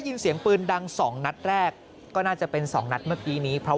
เสียงปืนดังสองนัดแรกก็น่าจะเป็นสองนัดเมื่อกี้นี้เพราะ